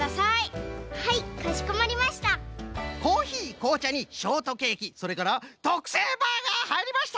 こうちゃにショートケーキそれからとくせいバーガーはいりました！